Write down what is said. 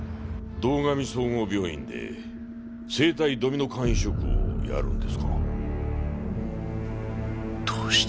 堂上総合病院で生体ドミノ肝移植が行われるんです。